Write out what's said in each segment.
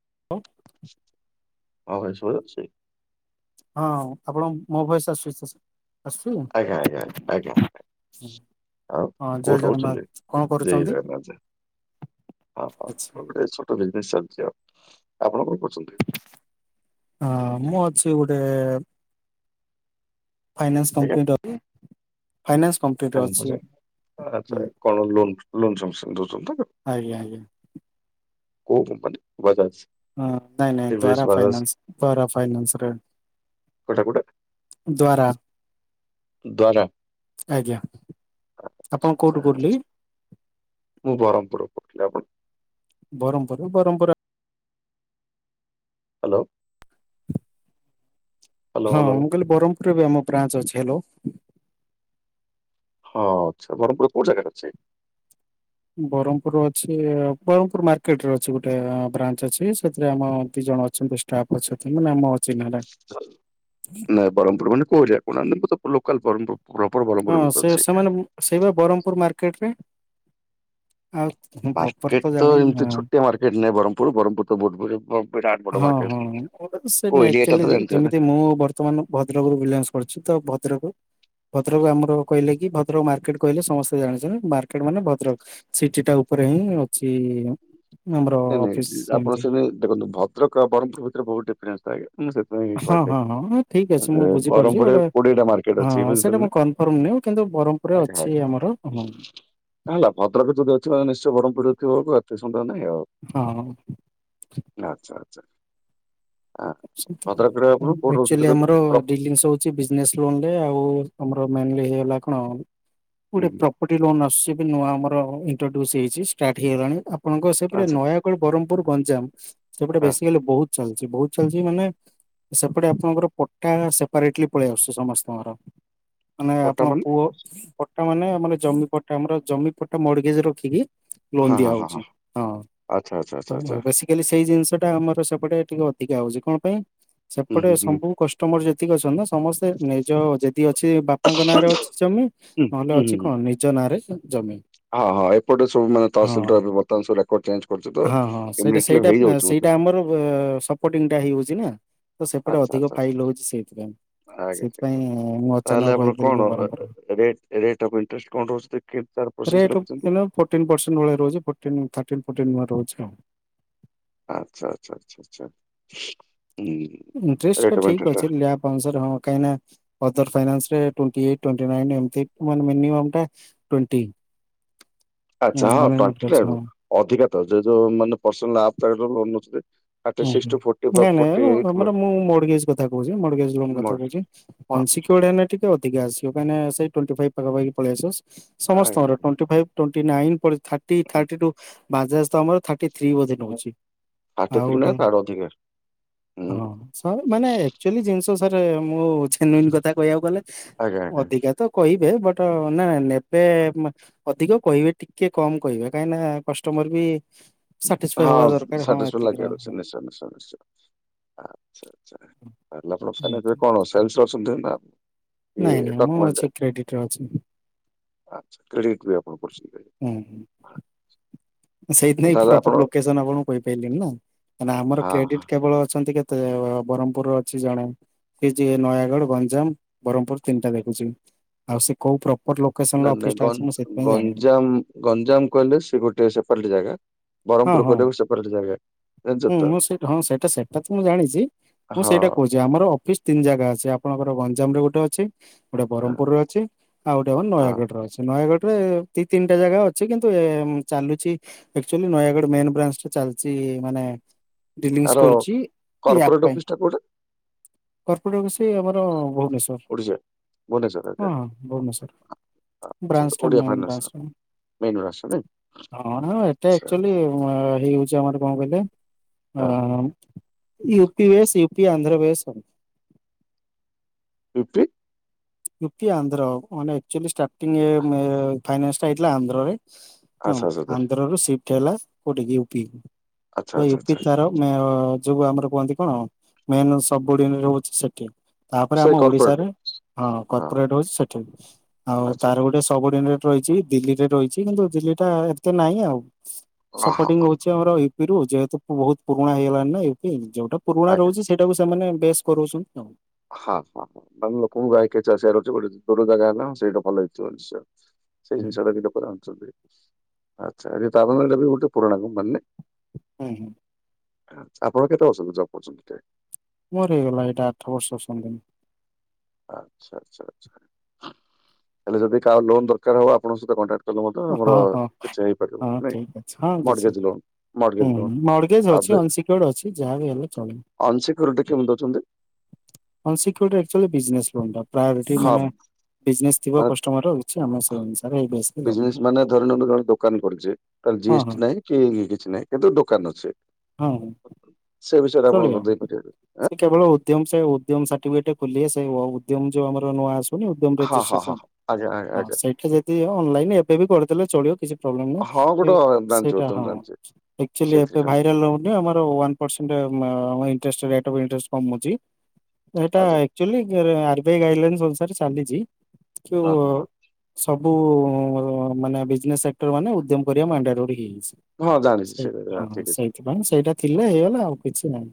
[inaudible] ହଁ ଭାଇ ଶବୁ ଅଛି ହଁ ଆପଣଙ୍କୁ ମୋ ଭୟସ୍ ଆସୁଚିତ ଆଜ୍ଞା ଆଜ୍ଞା ଆଞା। ଆଉ ହଁ ଜୟ କୋଉଁଠି ଜଗନ୍ନାଥ ରହୁଚନ୍ତି କଣ କରୁଛନ୍ତି? [unintelligible] ହଁ ଆଚ୍ଛା। ହଁ। ମୋର ବିଜିନେସ୍ ଚାଲିଚି ଆଉ ଆପଣ କଣ କରୁଚନ୍ତି? ହଁ ମୁଁ ଅଛି ଗୋଟେ ଫାଇନାନ୍ସ କମ୍ପନୀ ଫାଇନାନ୍ସ କମ୍ପାନୀରେ ଅଛି। ହୁଁ। ଆଚ୍ଛା କଣ ଲୋନ ଲୋନ ସମସ୍ତଙ୍କୁ ଦଉଚନ୍ତି [unintelligible] ଆଜ୍ଞା ଆଜ୍ଞା। କୋଉଠି ମାନେ ଘରେ ଅଛି। ହଁ ନାଇଁ ନାଇଁ ଦରା ଫାଇନାନ୍ସ ଦରା ଫାଇନାନ୍ସରେ ଦରା ଆଜ୍ଞା ଆପଣ କୋଉଠୁ କହୁଥିଲେ? ମୁଁ ବ୍ରହ୍ମପୁର କହୁଥିଲି ଆପଣ ବ୍ରହ୍ମପୁର ବରମ୍ପରା ହାଲୋ। ହ୍ୟାଲୋ ହଁ ହ୍ୟାଲୋ ମୁଁ କହିଲି ବ୍ରହ୍ମପୁରରେବି ଆମ ବ୍ରଞ୍ଚ୍ ଅଛି ହାଲୋ। ହଁ ଆଛା ବ୍ରହ୍ମପୁର କୋଉଜାଗାରେ ଅଛେ? ବ୍ରହ୍ମପୁର ଅଛି ବ୍ରହ୍ମପୁର ମାର୍କେଟରେ ଅଛି ଗୋଟେ ବ୍ରାଞ୍ଚ ଅଛି ସେଥିରେ ଆମ ଦି ଜଣ ଅଛନ୍ତି ତାପଛ ଥିନୁନା ନାଆମ ଚିହ୍ନାଟା ନଁ ବ୍ରହ୍ମପୁର ମାନେ କଉ ଜାଗା ଆମରତ ସବୁ ଲୋକାଲ ବ୍ରହ୍ମପୁର ପ୍ରପର ବ୍ରହ୍ମପୁର ହଁ ଭିତରେ ସେ ଅଛି ସେ ସେମାନେ ସେଇବା ବ୍ରହ୍ମପୁର ମାର୍କେଟରେ ଆଉ ମୁଁ ପ୍ରପର ମାର୍କେଟ ତ ଜାଣିନି ଏମିତି ହଁ। ଛୋଟିଆ ମାର୍କେଟ ନାହିଁ ବ୍ରହ୍ମପୁର ବହ୍ମପୁର ବହୁତ୍ ବଢ଼ିଆ ବିରାଟ ବଡ଼ ହଁ ମାର୍କେଟ ହଁ ସେ କୋଉ ନାଇ ଏରିଆ ଟା ତ ଆକ୍ଚୁଲି ଜାଣିଥିବେ ନା। ଯେମିତି ମୁଁ ବର୍ତ୍ତମାନ ଭଦ୍ରକରୁ ବିଲଙ୍ଗସ କରିଚି ତଭଦ୍ରକ ଭଦ୍ରକ ଆମର କହିଲେକି ଭଦ୍ରକ ମାର୍କେଟ କହିଲେ ସମସ୍ତେ ଜାଣିଚନ୍ତି ମାର୍କେଟ ମାନେ ଭଦ୍ରକ ସିଟି ଟା ଉପରେ ହିଁ ଅଛି ଆମର ଅଫିସ ସେମତି। ଦେଖନ୍ତ ଭଦ୍ରକ ବ୍ରହ୍ମପୁର ଭିତରେ ବହୁତ ଡିଫରେନ୍ସ ଥାଏ। [unintelligible] ହଁ କହିଲି। ହଁ ହଁ ହଁ ଠିକ୍ ଅଛି ମୁଁ ବୁଝିପାରୁଛି ବ୍ରହ୍ମପୁରରେ ଗୋଟେ କୋଡିଏଟା ମାର୍କେଟ ଅଛି ହଁ ସେଇଟା ବୁଝିପାରିଲେ ନା। ମୁଁ କନଫର୍ମ ନ କିନ୍ତୁ ବର ଉପରେ ଆଜ୍ଞା ଆଜ୍ଞା ଅଛି ଆମର ହଁ। ହେଲା ଭଦ୍ରକ ଯଦି ଅଛି ନିଶ୍ଚୟ ବ୍ରହ୍ମପୁରରେ ଥିବ ଏତ ସନ୍ଦେହ ନାହିଁ ଆଉ। ହଁ। ଆଚ୍ଛା ଆଚ୍ଛା। ଆ ଭଦ୍ରକରେ ଆପଣ କୋଉଠି ରହୁଛନ୍ତି ଆକଚୁଆଲି କହିଲେ? ଆମର ପ୍ରପ [unintelligible] ଛି ବିଜିନେସରୁ [unintelligible] ଆଉ ଆମର ମେନଲି ହେଇଗଲା କଣ ହୁଁ ଗୋଟେ ହୁଁ ପ୍ର କୋଟିଏ ଲୋନ୍ ଆସୁଛି ବି ନୂଆ ଆମର ଇଣ୍ଟ୍ରୋଡ୍ୟୁସ ହେଇଛି ଷ୍ଟାର୍ଟ ହେଇଗଲାଣି ଆପଣଙ୍କ ସେପଟେ ଆଚ୍ଛା ନୟା ବ୍ରହ୍ମପୁର ଗଞ୍ଜାମ ସେପଟେ ହଁ ବେଶୀକାଲି ବହୁତ ଚାଲିଛି ବହୁତ। ଚାଲିଛି ମାନେ ସେପଟେ ଆପଣଙ୍କର ପଟା ସେପାରେଟେଲି ପଳେଇ ଆସୁଛି ସମସ୍ତଙ୍କର। ମାନେ ଆପଣ ପଟ୍ଟାମୁଣ୍ଡାଇ ପୁଅ। ପଟା ମାନେ ଆମର ଜମି ପଟା ଆମର ଜମି ପଟା ମଡିଗେଜ୍ ରଖିକି। ଲୋନ ହଁ ଦିଆ ହଁ ହଁ ହଉଛି ହଁ ଆଚ୍ଛା ଆଚ୍ଛା ଆଚ୍ଛା ହଁ ବ ଆଚ୍ଛା ବେଶି। ଏଲେ ସେଇ ଜିନିଷ ଟା ଆମର ସେପଟେ ଟିକେ ଅଧିକା ହଉଚି କଣ ପାଇଁ? ହୁଁ ସେପଟେ ହୁଁ ହୁଁ ସବୁ କଷ୍ଟମୋର ଯେତିକି ଅଛନ୍ତି ନା ସମସ୍ତେ ନିଜ ଯେଦି ଅଛି ବାପାଙ୍କ ନାଁରେ ଅଛି ଜମି। ହୁଁ ନହେଲେ ହୁଁ ଅଛି ହୁଁ କଣ ନିଜ ନାଁରେ ଜମି। ହଁ ହଁ ଏପଟେ ସବୁ ମାନେ ହଁ ତହସିଲରେ ଏବେ ବର୍ତ୍ତମାନ ସବୁ ରେକଡ଼ ଚେଞ୍ଜ କରୁଚି [unintelligible] ତ ହେଇଯାଉଛି ବଧେ। ମର ବା ସ ରିପଟିଙ୍ଗ ଟା ହେଇ ହଉଛି ନା ତ ସେପଟେ ଆଚ୍ଛା ଅଧିକ ଆଚ୍ଛା ଆଚ୍ଛା ଫାଇଲ ହଉଛି ସେଇଥିପାଇଁ। ଆଜ୍ଞା ସେଇଥିପାଇଁ ଆଜ୍ଞା ମୁଁ ଅଚାନକ ତାହେଲେ ଆପଣ କହିଥିଲି କି କଣ ବରହମପୁର ରେଟ୍ ଅଫ ଇଣ୍ଟରେଷ୍ଟ୍ କଣ ରହୁ [unintelligible] ତାର ପ୍ରୋସେସର। [unintelligible] ଫୋର୍ଟଟିନ୍ ପର୍ସେଣ୍ଟ ଭଳିଆ ପରି ରହୁଛି ଫୋଟିନ ଥାର୍ଟିନ ଫୋର୍ଟନ ୱାନ୍ ରହୁଛି ଆଉ। ଆଚ୍ଛା ଆଛା ଆଛା ଆଛା ହୁଁ। ଇଣ୍ଟଷ୍ଟ ରେଟ୍ ଟା ଅଫ୍ ଠିକ୍ ଇଣ୍ଟରେଷ୍ଟ ଅଛି ଲ୍ୟା ଅନଂସ ହଁ କାଇଁନା। ଅଦର ଫାଇନାନ୍ସ ରେ ଟ୍ୱଣ୍ଟି ଏଇଟ ଟ୍ୱଣ୍ଟି ନାଇନି ଏମିତି ମାନେ ମିନିମମ୍ ଟା ଟ୍ୱଣ୍ଟି। ଆଛା ହଁ ଟ୍ୱଣ୍ଟି ଅଛି ଫାଇଭ ହଁ ଅଧିକା ତ ଯୋ ଯୋଉ ମାନେ [unintelligible] ହୁଁ ହୁଁ ଟୁ ଫୋର୍ଟି ଫୋର୍ ନାଇଁ ଫୋର୍ଟି ନାଇଁ ଏଇଟ୍ ଆମର ମୁଁ ମଗେଶ କଥା କହୁଛି ମଗେଶ ଲୋନ କଥା ମୋର୍ କହୁଛି। ହଁ ପଂସି ହଁ [unintelligible] ଟିକେ ଅଧିକ ଆସିବ କହିଁ ନା ସେ ଟ୍ୱଣ୍ଟି ଫାଇଭ ପାଖାପାଖି ପଳେଇ ଆସ ଆଜ୍ଞା ସମସ୍ତଙ୍କର ଆଜ୍ଞା। Twenty five. Twenty nine thirty ଟୋ ବାଜାଜ ତ ଆମର ଥାଟି ଥ୍ରୀ ବୋଧେ ନଉଛି। ଥାର୍ଟି ଆଉ ଥ୍ରୀ ନା ଗୋଟେ ତାଠୁ ଅଧିକା ହୁଁ ହଁ ସାର୍ ମାନେ ଆକଚୁଆଲି ଜିନିଷ ସାର୍ ମୁଁ। ଯେନୁଇନ କଥା କହିବାକୁ ଗଲେ ଆଜ୍ଞା ଆଜ୍ଞା। ଅଧିକା ତ କହିବେ ବଟ ନା ନେବେ। ଅଧିକ କହିବେ ଟିକେ କମ କହିବେ କାହିଁନା କଷ୍ଟମର ବି। ସାଟିସ୍ଫାଇ ହବା ଦରକାର ହଁ। ଏତିକି ଲାଗି ର- ରହୁଛି ହୁଁ, ନିଶ୍ଚୟ ନିଶ୍ଚୟ ନିଶ୍ଚୟ ଆଛା ତାହେଲେ ଆପଣ ହୁଁ, [unintelligible] ହୁଁ। କଣ ସେଲସରେ ଅଛନ୍ତି ନା। ଇଏ ନାଇଁ ନାଇଁ ମୁଁ ଡକ୍ୟୁମେଣ୍ଟ ଅଛି କ୍ରେଡିଟରେ ଅଛି। ଆଚ୍ଛା କ୍ରେଡିଟ ବି ଆପଣ କରୁଚନ୍ତି। ହୁଁ ହୁଁ। ସେଇଥିିନାଇଁ ତାହେଲେ ଆପଣ ପ୍ରପର ଲୋକେସନ ଆପଣଙ୍କୁ କହିପାରିଲି ନା କାହିଁକ ନା ଆମ ହଁ ହଁ। କ୍ରେଡିଟ୍ କେବଳ ଅଛନ୍ତି କେ ତେ ବ୍ରହ୍ମପୁରର ଅଛି ଜଣେ। ଏ ଯିଏ ନୟାଗଡ, ଗଞ୍ଜାମ, ବ୍ରହ୍ମପୁର ତିନିଟା ଦେଖୁଛି ଆଉ ସେ କୋଉ ପ୍ର ନାଇ ନାଇଁ ଗ ଗଞ୍ଜାମ ଗଞ୍ଜାମ କହିଲେ ସେ ଗୋଟେ ସେପାରେଟ ଜାଗା। ହଁ ବ୍ରହ୍ମପୁର ହଁ କହିଲେ ବି ସେପାରଟ ଜାଗା। ଜାଣିଛ ହୁଁ ତ ମୁଁ ସେ ହଁ ସେଇଟା ସେଟା ତ ମୁଁ ଜାଣିଛି ମୁଁ ହଁ ସେଇଟା କହୁଛି ଯେ ଆମର ଅଫିସ ତିନି ଜାଗା ଅଛି ଆପଣଙ୍କର ଗଞ୍ଜାମ ରେ ଗୋଟେ ଅଛି। ଗୋଟେ ହଁ ବ୍ରହ୍ମପୁରରେ ଅଛି ଆଉ ଗୋଟେ ହଁ। ନୟାଗଡ ରେ ଅଛି। ନୟାଗଡ ରେ ଦି ତିନିଟା ଜାଗା ଅଛି କିନ୍ତୁ ଏ ଏ ଚାଲୁଛି ଏକ୍କଚୁଲୀ ନୟାଗଡ଼ ମେ ବ୍ରାଞ୍ଚ ଚାଲିଛି ମାନେ ଡିଲିଂସି ଆର କରୁଛି ଲ୍ୟାବ କର୍ପୋରେଟ ପାଇଁ ଅଫିସ ଟା କୋଉଟା କର୍ପୋଟ ସେ ଆମର ଭୁବନେଶର [unintelligible] ଓଡିଶା। ଭୁବନେଶ୍ୱର ଆଜ୍ଞା ହଁ ଭୁବନେଶର ଆଚ୍ଛା ଆଚ୍ଛା ବ୍ରାଞ୍ଚ ଠୁ ଓଡିଆ ମେନ୍ ଫାଇନାନ୍ସ ବ୍ରାଞ୍ଚ ପାଇଁ। ମେନ୍ ବ୍ରାଞ୍ଚ ନାଇଁ ହଁ ଏଟା ଆଚ୍ଛା ଏକ୍କଚୁଲି ହେଇଯାଉଛି ଆମର କଣ କହିଲେ? ହଁ। ୟୁପି ବେଶ ୟୁପି ଆନ୍ଧ୍ର ବେଶ ସବୁ। ଫଫ୍ [unintelligible] ୟୁପି ଆନ୍ଧ୍ର ମାନେ ଆକଚୁଆଲି ଷ୍ଟାର୍ଟିଂ ଏ ଏ ଫାଇନାସ୍ ହେଇଥିଲା ଆନ୍ଧ୍ରରେ। ହଁ ଆଚ୍ଛା ଆଚ୍ଛା ଆନ୍ଧ୍ର ରୁ ସିଫ୍ଟ ହେଲା କୋଉଠିକ ୟୁପି ଆଚ୍ଛା ତ ଆଚ୍ଛା ୟୁପି ଆଚ୍ଛା ତାର ଯୋଉ ଆମର କୁହନ୍ତି କଣ ମେନ ସବୁଡି ରହୁଛି ସେଠି। ତାପରେ ସେ ଆମ କର୍ପୋରେଟ ଓଡିଶାରେ ହଁ କର୍ପୋରେଟ ହଉଛି ସେଠି ଆଉ ଆଚ୍ଛା ତାର ଗୋଟେ ସବୁଡି ରହିଛି ଦିଲ୍ଲୀରେ ରହିଛି କିନ୍ତୁ ଦିଲ୍ଲୀ ଟା ଏତେ ନାଇଁ ଆଉ ଅ ହ ସପୋଟିଂ ର ଅଛି ଆମର ୟୁପି ରୁ ଯେହେତୁ ବହୁତ ପୁରୁଣା ହେଇଗଲାଣି ନା ୟୁପି ଯୋଉଟା ପୁରୁଣା ଆଜ୍ଞା। ରହୁଛି। ସେଇଟାକୁ ସେମାନେ ବେଶ କରୋଉଛନ୍ତି ଆଉ। ହଁ ହଁ ହଁ ମାନେ ଲୋକଙ୍କୁ ଗାଇକି ଚା ଆସିବର ଅଛି ଗୋଟେ ଦୂର ଜାଗା ନା ସେଇଟା ଭଲ ହେଇଥିବ ନିଶ୍ଚୟ। ସେଇ ଜିନିଷଟା ଗଟେ ଆଣୁଛନ୍ତି ଆଚ୍ଛା ତାପ [unintelligible] ନଲେ ବି ଗୋଟେ ପୁରଣା ଗ [unintelligible] ମାନେ। ହୁଁ, ହୁଁ ଆପଣ କେତେ ବର୍ଷ ଅଛନ୍ତି ଜବ କରୁଛନ୍ତି। ମୋର ହେଇଗଲା ଏଇଟା ଆଠ ବର୍ଷ ସଙ୍ଗିନୀ। ଆଚ୍ଛା ଆଚ୍ଛା ଆଚ୍ଛା ହେଲେ ଯଦି କାହାର ଲୋନ ଦରକାର ହବ ଆପଣଙ୍କ ସହିତ କଣ୍ଟା [unintelligible] ଆମର ହଁ ହଁ କିଛି ହେଇପାରିବ ହଁ ନାଇ ଠିକ ଅଛି ହଁ କିଛି ମରଗେଜ ଲୋନ୍ ହୁଁ ଲୋନ୍ ମର୍ଗେଜ ଆ [unintelligible] ଅଛି ଯାହା ବି ହେଲେ ଚଳିବ। ଅନସିକ୍ୟୁରିଟୀ କେମିତି ଦଉଛନ୍ତି? ଅନସକ୍ୟୁରିଟୀ ଆକଚୁଆଲି ବିଜିନେସ ଲୋନ୍ ଟା ପ୍ରାୟୋରିଟି ହଁ ମାନେ ବିଜନେସ ଥିବ ମାନେ କଷ୍ଟମର କିଛି ଆମେ ସେ ଅନୁସାରେ ବେଶି ବିଜିନେସ ଧରିନେବେ ରହନ୍ତୁ। ଦୋକାନ କରିଛି ତା ଜି ହଁ ହଁ ଏସ୍ଟି ନାଇଁ କି କିଛି ନାହିଁ କିନ୍ତୁ ଦୋକାନ ଅଛି। ହଁ ହଉ [unintelligible] ସେ ବିଷୟରେ ଆପଣଙ୍କୁ ଦେଇପାରିବେ। ଆଁ? ସେ କେବଳ ଉଦ୍ୟମ ସେ ଉଦ୍ୟମ ସାର୍ଟିଫିକେଟ ଖୋଲି ସେ ଉଦମ ଯୋଉ ଆମର ନୂଆ ଆସ ଉଦ୍ୟମ ହଁ ହଁ ହଁ ରେଜିଷ୍ଟେସନ ହଁ ଆଜ୍ଞା ଆଜ୍ଞା ହଁ ଆଜ୍ଞା। ସେଇଠି ଯଦି ଅନଲାଇନ ଏବେ ବି କରିଦେଲେ ଚଳିବ କିଛି ହଁ ଗୋଟେ ଜାଣିଛୁ ଟା ବୋଧେ [unintelligible] ମୁଁ ଜାଣିଛି ସେଇଥିରେ ହଁ ଖାଲି ଭଲ ଏଇଟା ଆମର ୱାନ ପରସେଣ୍ଟ ଆମ ଇଣ୍ଟରେଷ୍ଟ୍ ରେଟ ଇଣ୍ଟରେଷ୍ଟ୍ କମୁଛି। ଏଇଟା ଆଚ୍ଛା actually R B I guidelines ଅନୁସାରେ ଚାଲିଛି। କିନ୍ତୁ ହଁ ହଁ ହଁ। ସବୁ ମାନେ ବିଜନେସ ସେକ୍ଟର ମାନେ ଉଦ୍ୟମ କରିବା ଅଣ୍ଡା [unintelligible] ରୋ ହେଇଯାଇଛି। ହଁ ଜାଣିଛି ସେ ସେଇଟା ହଁ ଠିକ ଅଛି ସେଇଥିପାଇଁ ସେଇଟା ଥିଲେ ହେଇଗଲା ଆଉ କିଛି ନାହିଁ।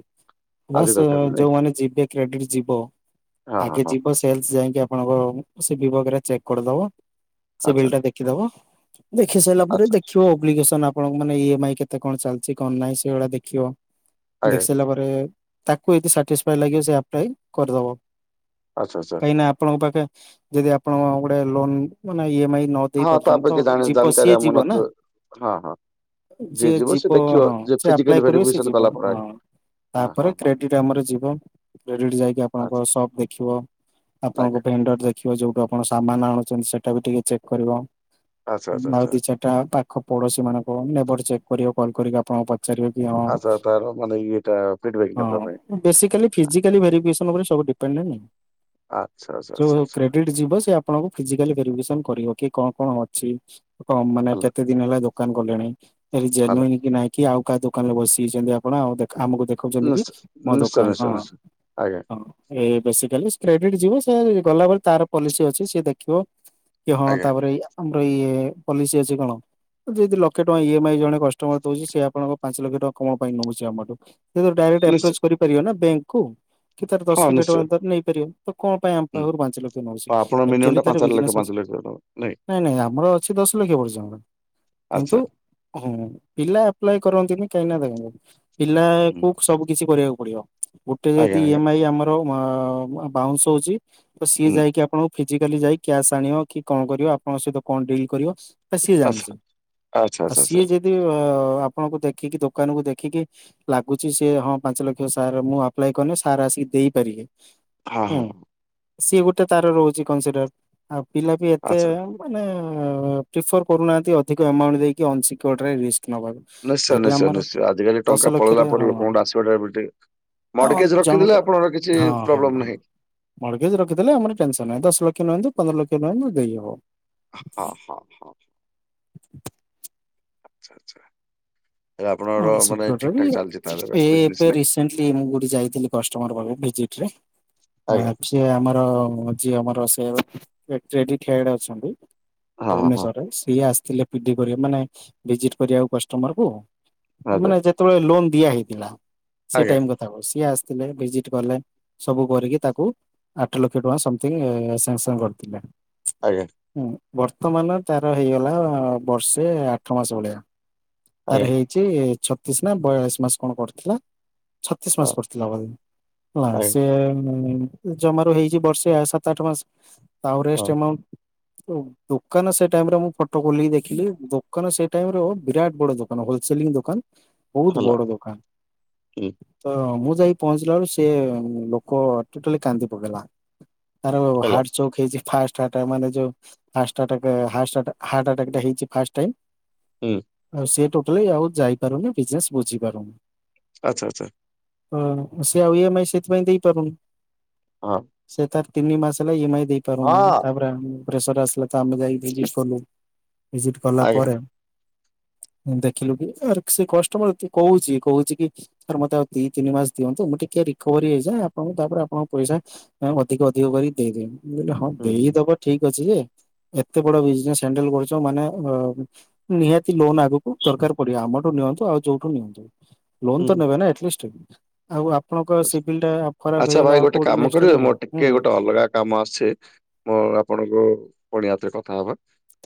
ଆଜି ବାସ୍ ଦରକାର ନାଇଁ ଯୋଉମାନେ ଯିବେ କ୍ରେଡିଟ ଯିବ ହଁ ହଁ ଆଗେ ହଁ ଯିବ ସେଲସ୍ ଯାଇକି ଆପଣଙ୍କ ବିଭଗରେ ଚେକ୍ କରିଦବ ସେ ଆଚ୍ଛା ବିଲ୍ ଟା ଦେଖିଦବ। ଦେଖି ସାରିଲା ପରେ ଆଚ୍ଛା ଦେଖିବ ଓବିକେଲ୍ସନ୍ ଆପଣଙ୍କ ମାନେ ଇ ଏମ ଆଇ କେତେ କଣ ଚାଲିଛି କଣ ନାହିଁ ସେଇଗୁଡା ଦେଖିବ। ଦେଖି ଆଜ୍ଞା। ସାରିଲା ପରେ ତାକୁ ଏ ସାଟିସଫାଇ ଲାଗିବ ସେ ଆପବି କରିଦବ। ଆଚ୍ଛା ଆଚ୍ଛା। କାହିଁକି ନା ଆପଣଙ୍କ ପାଖେ ଯଦି ଆପଣଙ୍କ ଗୋଟେ ଲୋନ ମାନେ ଇ ଏମ ଆଇ ନ ଦେଇ ହଁ ତା ପାରୁଛନ୍ତି ତ ଅପେକ୍ଷା ଜାଣି ଯିବ ଜାଣିକାରୀ ସିଏ ଆମ ଯିବ ନା। ନଥିବ ହଁ ହଁ ଯିଏ ସେ ଯିବ ଦେଖିବ ହଁ ଯେ ସେ ଆପ୍ଲାଏ ଫିଜିକାଲି କରିବେ ସିଏ ଭେରିଫିକେସନ ଯିବ। କଲା ପରେ ହଁ ଆଜ୍ଞା। ହଁ ତାପରେ ହଁ ହଁ କ୍ରେଡିଟ ଆମର ଯିବ, କ୍ରେଡିଟ ଯାଇକି ଆପଣଙ୍କ ଆଚ୍ଛା ସପ ଦେଖିବ ଆପଣଙ୍କ ଆଜ୍ଞା ଭେଣ୍ଡର ଦେଖ ଖିବ, ଯୋଉଠୁ ଆପଣ ସାମାନ ଆଣୁଛନ୍ତି ସେଟା ବି ଟିକେ ଚେକ୍ କରିବ, ଆଚ୍ଛା ଆଚ୍ଛା ଆଉ ଆଚ୍ଛା। ଦି ଚା ତା ପାଖ ପଡୋଶୀ ମାନଙ୍କ ନେବର ଚେକ୍ କରିବ କଲ୍ କରିକି ଆପଣଙ୍କ ପାଖ ଚାରିବ କି ହଁ ଆଚ୍ଛା ତାର ମାନେ ଇଏଟା ଫିଡବ୍ୟାକ୍ ନେବା ପାଇଁ ବେଶି ଖାଲି ଫିଜିକାଲି ଭିରିଫିକେସନ୍ ଉପରେ ସବୁ ଡିପେଣ୍ଡେଣ୍ଟ ଆଚ୍ଛା ଆଚ୍ଛା ଯଉ ଆଚ୍ଛା ଆଚ୍ଛା କ୍ରେଡିଟ ଯିବ ସେ ଆପଣଙ୍କୁ ଫିଜିକାଲି ଭେରିଫିକେସନ କରିବ କି କଣ କଣ ଅଛି? କଣ ମାନେ ହେଲା କେତେ ଦିନ ହେଲା ଦୋକାନ କଲେଣି? ହେଲା। ଜେନୁଇନ କି ନାହିଁକି ଆଉ କାହା ଦୋକାନରେ ବସିଯାଇଛନ୍ତି ଆପଣ ଆଉ ଆମକୁ ଦେଖ ଦେଖଛନ୍ତି କି ନିଶ୍ଚୟ ମୋ ନିଶ୍ଚୟ ଦୋକାନ। ନିଶ୍ଚୟ ହଁ ନିଶ୍ଚୟ ଆଜ୍ଞା ହଁ ଏ ବେଶିକାଲି କ୍ରେଡିଟ ଯିବ ସେ ଗଲାବେଲି ତାର ପଲିସି ଅଛି ସେ ଦେଖିବ। କି ହଁ ଆଜ୍ଞା ତାପରେ ଏଇଆ, ଆମର ଇଏ ପଲିସି ଅଛି କଣ ଯେହେତୁ ଲକ୍ଷ ଟଙ୍କା ଇ ଏମ୍ ଆଇ ଜଣେ କଷ୍ଟମର ଦଉଛି, ସେ ଆପଣଙ୍କ ପାଞ୍ଚ ଲକ୍ଷ ଟଙ୍କା କମ ପାଇଁ ନଉଚି ଆମଠୁ, ସିଏ ତ ଡାଇରେକ୍ଟ ନିଶ୍ଚୟ ଆପ୍ରୋଚ କରିପାରିବ ନା ବ୍ୟାଙ୍କ କୁ କି ତାର ଦଶ ହଁ ଲକ୍ଷ ନିଶ୍ଚୟ ଟଙ୍କା ତାର ନେଇପାରିବ। ତ କଣ ପାଇଁ ଆମ ହୁଁ। ପାଖରୁ ପାଞ୍ଚ ଲକ୍ଷ ନଉଛି, ଆପଣ ମିନିମମ୍ ଆଚୁଆଲି ଟା ତାର ପାଞ୍ଚ ଲକ୍ଷ ବିଜନେସ ଅଛି। ପାଞ୍ଚ ଲକ୍ଷ ନାଇଁ [unintelligible] ନାଇଁ ନାଇଁ ଆମର ଅଛି ଦଶ ଲକ୍ଷ ପର୍ଯ୍ୟନ୍ତ, ଆଚ୍ଛା କିନ୍ତୁ ହଁ ପିଲା ଆପ୍ଲାଏ କରନ୍ତିନି କାହିଁକିନା ଦେଖନ୍ତୁ ପିଲା ହୁଁ କୁ ସବୁ କିିଛି କରିବାକୁ ପଡିବ, ଗୋଟେ ଯଦି ଆଜ୍ଞା ଇ ଆଜ୍ଞା ଏମ ଆଇ ଆମର ମା ବାଉଁଶ୍ ହେଉଛି, ସିଏ ହୁଁ ଜାଇକି ଆପଣ ଫିଜିକାଲି ଯାଇ କ୍ୟାସ୍ ଆଣିବ କି କଣ କରିବ, ଆପଣଙ୍କ ସହିତ କଣ ଡିଲ୍ କରିବ? ସିଏ ଆଚ୍ଛା ଜାଣିଛି, ଆଚ୍ଛା ଆଉ ଆଚ୍ଛା ଆଚ୍ଛା ସିଏ ଯଦି ଅ ଆପଣଙ୍କୁ ଦେଖିକି ଦୋକାନକୁ ଦେଖ ଖିକି ଲାଗୁଛି ସେ ହଁ ପାଞ୍ଚ ଲକ୍ଷ ସାର୍ ମୁଁ ଆପ୍ଲାଏ କଲେ ସାର୍ ଆସିକି ଦେଇପାରିବେ। ହଁ ହୁଁ ହଁ ହଁ ସିଏ ଗୋଟେ ତାର ରହୁଛି କନସିଡର ଆଉ ପିଲା ବି ଏତେ ଆଚ୍ଛା ମାନେ ପ୍ରିଫର୍ କରୁନାହାନ୍ତି ଅଧିକ ଏମାଉଣ୍ଟ ଦେଇକି ଅସିକ୍ୟୋର୍ଡ ରେ ରିସ୍କ ନେବାକୁ। ନିଶ୍ଚୟ ନିଶ୍ଚୟ ନିଶ୍ଚୟ ଆଜିିକାଲି ଟଙ୍କା ପଳେଇଲା ଲକ୍ଷରେ ହଁ ପରେ ଲୋକଙ୍କଠୁ ଆସିବାଟାବି ଠିକ୍, ମଡିକେଜ ରଖିଦଲେ ଜଣଙ୍କର ଆପଣଙ୍କର କିଛି ପ୍ରୋବ୍ଲେମ ନାହିଁ। ମଡଗେଜି ରଖିଲେ ଆମର ଟେନସନ ନାହିଁ। ଦଶ ଲକ୍ଷ ନିହନ୍ତୁ ପନ୍ଦର ଲକ୍ଷ ନିହନ୍ତୁ ଦେଇହବ। ହଁ ହଁ ହଁ। ଆଚ୍ଛା ଆଚ୍ଛା। ହେଲେ ଆପଣଙ୍କର ମାନେ ଅଣସିକ୍ୟୁର୍ ଟା ଠିକ ବି ଠାକ ଚାଲିଛି ତାହେଲେ ଏ ବିଜନେସ ଏବେ ନାଇଁ ରିସେଣ୍ଟଲି ମୁଁ ଗୋଟେ ଯାଇଥିଲି କଷ୍ଟମର ପାଖକୁ ଭିଜିଟରେ। ଆଜ୍ଞା ଯେଏ ଆମର ଯିଏ ଆମର ସେଭ ସେଡିକ ଖେଳାଡ ହେଡ ଅଛନ୍ତି। ହଁ ହଁ ହଁ ଭୁବନେଶ୍ବରରେ, ସିଏ ଆସିଥିଲେ ପିଡି କରିବା ମାନେ ଭିଜିଟ କରିବାକୁ କଷ୍ଟମର କୁ। ହଁ ଆଜ୍ଞା ମାନେ ଯେତେବେଳେ ଲୋନ୍ ଦିଆ ହେଇଥିଲା, ସେ ଆଜ୍ଞା ଟାଇମ କଥା। ତାକୁ ସିଏ ଆସିଥିଲେ, ଭିଜିଟ କଲେ, ସବୁ କରିକି ତାକୁ ଆଠ ଲକ୍ଷ ଟଙ୍କା ସମଥିଙ୍ଗ ସାଙ୍ଗସଙ୍ଗ କରିଥିଲେ। ଆଜ୍ଞା। ହୁଁ ବର୍ତ୍ତମାନ ତାର ହେଇଗଲା ବର୍ଷେ ଆଠ ମାସ ଭଳିଆ। ତାର ଆଜ୍ଞା ହେଇଛି ଛତିଶ ନା ବୟାଳିଶ ମାସ କଣ କରୁଥିଲା। ଛତିଶ ମାସ ହଁ ପଡିଥିଲା ହେଲା ଆଜ୍ଞା ସେ ଜମାରୁ ହେଇଛି ବର୍ଷେ ସାତ ଆଠ ମାସ ଆଉ ହଁ ରେଷ୍ଟମାଉଣ୍ଟ। ଦୋକାନ ସେ ଟାଇ ରେ ମୁଁ ଫଟୋ ଖୋଲିକି ଦେଖିଲି ଦୋକାନ ସେ ଟାଇମରେ ବିରାଟ ବଡ ଦୋକାନ ଖ ସେଲିଂ ଦୋକାନ ବହୁତ ହେଲା ବଡ ଦୋକାନ। ହୁଁ ତ ମୁଁ ଯାଇ ପହଞ୍ଚିଲା ବେଲୁ ସେ ଲୋକ ଟୋଟାଲି କାନ୍ଦି ପକେଇଲା। ତାର ହେଲା ହାଟଚୋକ୍ ହେଇଛି ପାସ୍ଟ ଆଟାକ୍ ମାନେ ଯ ଫାଷ୍ଟ ଆଟାକ୍ ହାଷ୍ଟ ଆଟାକ୍ ହଟଅଟାକ୍ ହେଇଛି ଫାଷ୍ଟ ଟାଇମ। ହୁଁ। ସେ ଟୋଟାଲି ଆଉ ଯାଇପାରୁନି ବିଜନେସ ବୁଝି ପାରୁନି। ଆଛା। ହଁ ସେ ଆଉ ଇ ଏମ ଆଇ ସେଥିପାଇଁ ଦେଇପାରୁନି। ହଁ। ସେ ତାର ତିନି ମାସ ହେଲା ଇ ଏମ ଆଇ ଦେଇ ପାରୁନି ହଁ ତାପରେ ପେସର ଆସିଲେ ତ ଆମେ ଯାଇକି ଭିଜିଟ କଲୁ ଭିଜିଟ୍ କଲା ଆଜ୍ଞା ପରେ ଦେଖିଲୁ କି ଆ ସେ କଷ୍ଟମରେ କହୁଛି କହୁଛି କି। ସର ମତେ ଆଉ ଦି ତିନି ମାସ ଦିଅନ୍ତୁ ମୁଁ ଟିକେ ରିକଭରି ହେଇଯାଏ ଆପଣଙ୍କୁ ତାପରେ ଆପଣଙ୍କ ପଇସା। ମାମ୍ ଅଧିକ ଅଧିକ କରି ଦେଇଦବି ମୁଁ କହିଲି ହଁ ହୁଁ ଦେଇଦବ ନି ଠିକ ଅଛି ଯେ ଏତେ ବଡ ବିଜନେସ ହଣ୍ଡେଲ କରୁଛ ମାନେ ନିହାତି ଲୋନ ଆଗକୁ ଦରକାର ପଡି ଆମଠୁ ନିଅନ୍ତୁ ଆଉ ଯଉଠୁ ନିଅନ୍ତୁ ଲୋନ ହୁଁ ତ ନେବେ ନା ଏଟଲିଷ୍ଟ। ଆଉ ଆପଣଙ୍କ ହୁଁ ସିଭିଲ୍ ଟା ଖରାପ ଆଚ୍ଛା ହେଇଗଲା ଭାଇ ଆଉ ଗୋଟେ କୋଉଠି କାମ ନେକ୍ସଟ୍ କରିବେ ମିଳିବ ମୋର ଟିକେ ହୁ। ଗୋଟେ ଅଲଗା କାମ ଆସଛେ ମୁଁ ଆପଣଙ୍କୁ ପୁଣି ଆଉଥରେ କଥା ହବା।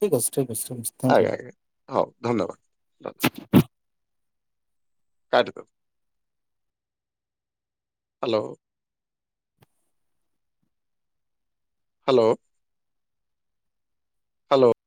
ଠିକ୍ଛି ଠିକ ଅ ଠିକଛି ଥ୍ୟାଙ୍କୟୁ। ଆଜ୍ଞା [unintelligible] ଆଜ୍ଞା ହଉ ଧନ୍ୟବାଦ ଧନ୍ୟବା। Cut hello. ହାଲୋ। ହାଲୋ।